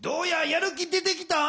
やる気出てきた？